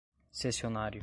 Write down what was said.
cessionário